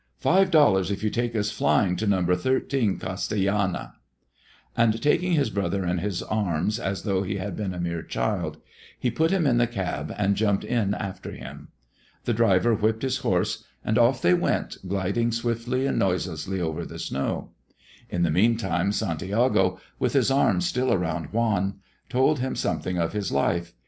Five dollars if you take us flying to Number 13 Castellana." And taking his brother in his arms as though he had been a mere child, he put him in the cab and jumped in after him. The driver whipped his horse, and off they went, gliding swiftly and noiselessly over the snow. In the mean time Santiago, with his arms still around Juan, told him something of his life.